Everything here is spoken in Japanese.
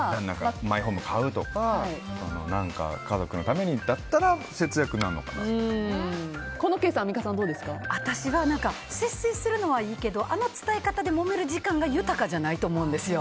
マイホーム買うとか家族のためにだったらこのケース私は節制するのはいいけどあの使い方でもめる時間が豊かじゃないと思うんですよ。